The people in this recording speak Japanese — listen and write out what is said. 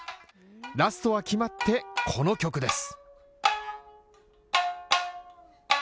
ラストは決まって、この曲です。